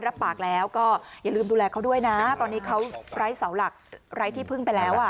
รับปากแล้วก็อย่าลืมดูแลเขาด้วยนะตอนนี้เขาไร้เสาหลักไร้ที่พึ่งไปแล้วอ่ะ